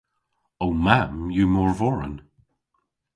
Ow mamm yw morvoren.